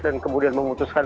dan kemudian memutuskan